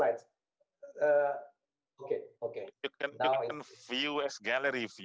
grup pendapatan yang tinggi